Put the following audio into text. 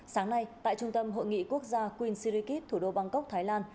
sáng nay tại trung tâm hội nghị quốc gia queen sirikit thủ đô bangkok thái lan